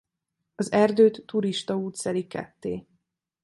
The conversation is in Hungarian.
Az erdőt turistaút szeli ketté.